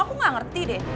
aku gak ngerti deh